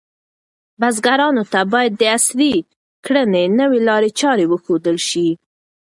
بزګرانو ته باید د عصري کرنې نوې لارې چارې وښودل شي.